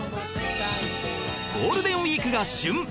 ゴールデンウィークが旬！